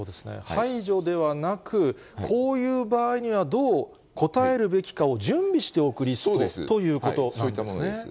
排除ではなく、こういう場合にはどうこたえるべきかを準備しておくリストというそうです。